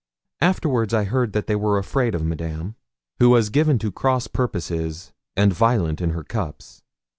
Afterwards I heard that they were afraid of Madame, who was given to cross purposes, and violent in her cups.